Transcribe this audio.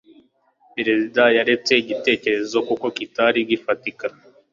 perezida yaretse igitekerezo kuko kitari gifatika